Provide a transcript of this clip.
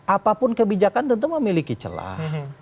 apapun kebijakan tentu memiliki celah